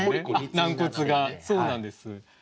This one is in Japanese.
軟骨がそうなんです。